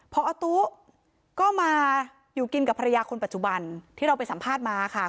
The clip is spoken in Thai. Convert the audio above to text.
พอตู้ก็มาอยู่กินกับภรรยาคนปัจจุบันที่เราไปสัมภาษณ์มาค่ะ